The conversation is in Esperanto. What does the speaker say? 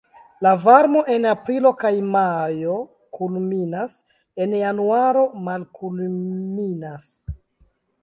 La varmo en aprilo kaj majo kulminas, en januaro malkulminas.